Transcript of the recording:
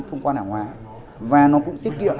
thông quan hải quan và nó cũng tiết kiệm